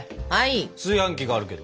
炊飯器があるけど。